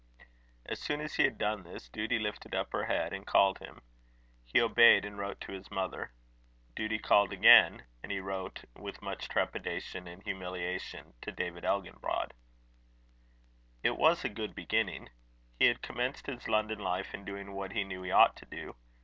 As soon as he had done this, Duty lifted up her head, and called him. He obeyed, and wrote to his mother. Duty called again; and he wrote, though with much trepidation and humiliation, to David Elginbrod. It was a good beginning. He had commenced his London life in doing what he knew he ought to do.